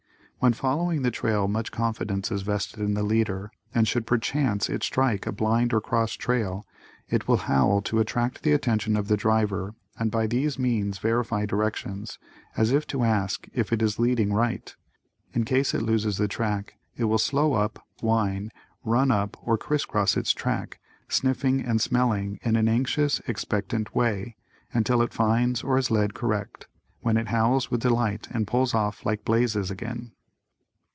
] When following the trail much confidence is vested in the leader and should perchance it strike a blind or cross trail, it will howl to attract the attention of the driver and by these means verify directions, as if to ask if it is leading right. In case it loses the track it will slow up, whine, run up or criss cross its tracks, sniffing and smelling in an anxious, expectant way, until it finds or is led correct, when it howls with delight and pulls off "like blazes" again.